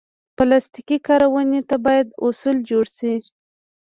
پلاستيکي کارونې ته باید اصول جوړ شي.